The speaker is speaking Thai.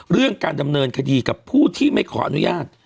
เรื่องการดำเนินคดีกับผู้ที่ไม่ขออนุญาต